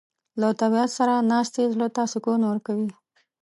له طبیعت سره ناستې زړه ته سکون ورکوي.